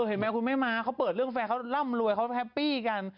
เห็นไหมคุณแม่ม้าเขาเปิดเรื่องแฟนเขาร่ำรวยเขาแฮปปี้กัน